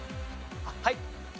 はい。